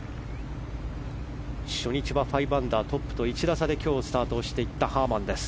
初日は５アンダー、トップと１打差で今日スタートしていったハーマン。